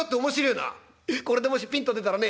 「これでもしピンと出たらね